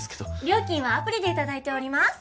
料金はアプリで頂いております。